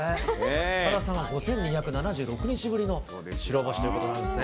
岡田さんは５２７６日ぶりの白星ということなんですね。